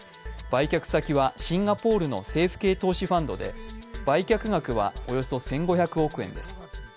売却先はシンガポールの政府系投資ファンドで売却額はおよそ１５００億円です。